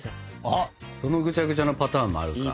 あそのぐちゃぐちゃのパターンもあるか。